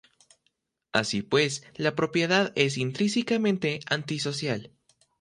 Así pues, la propiedad es intrínsecamente antisocial.